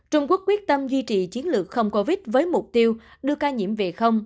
trung quốc quyết tâm duy trì chiến lược không covid với mục tiêu đưa ca nhiễm về không